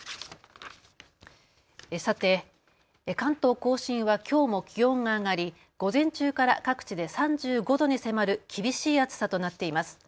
さて、関東甲信はきょうも気温が上がり午前中から各地で３５度に迫る厳しい暑さとなっています。